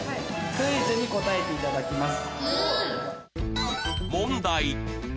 クイズに答えていただきます。